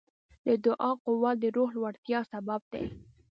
د دعا قوت د روح لوړتیا سبب دی.